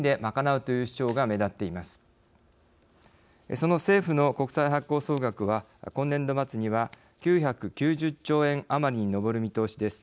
その政府の国債発行総額は今年度末には９９０兆円余りに上る見通しです。